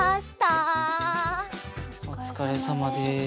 おつかれさまです。